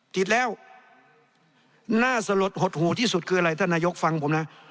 ติดแล้วน่าสลดหดหูที่สุดคืออะไรท่านนายกฟังผมนะ